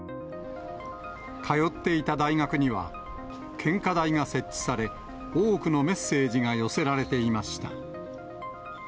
通っていた大学には、献花台が設置され、多くのメッセージが寄せられていました。